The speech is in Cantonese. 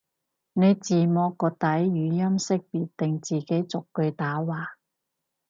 你字幕個底語音辨識定自己逐句打話？